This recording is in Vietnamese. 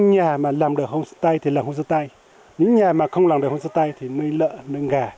nhà mà làm được hôn sơ tay thì là hôn sơ tay những nhà mà không làm được hôn sơ tay thì nuôi lợn gà